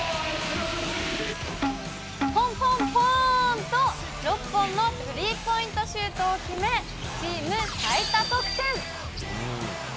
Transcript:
ポンポンポンと、６本のスリーポイントシュートを決め、チーム最多得点。